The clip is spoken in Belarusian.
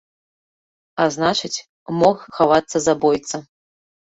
А значыць, мог хавацца забойца.